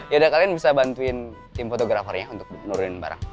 yaudah kalian bisa bantuin tim fotografernya untuk nurulin barang